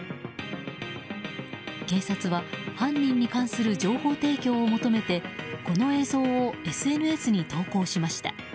警察は犯人に関する情報提供を求めてこの映像をＳＮＳに投稿しました。